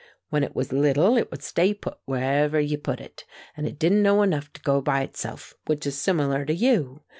When it was little it would stay put wherever ye put it, and it didn't know enough to go by itself, which is similar to you.